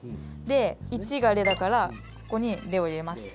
で１が「れ」だからここに「れ」を入れます。